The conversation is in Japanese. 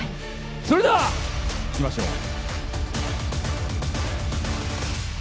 それではいきましょう！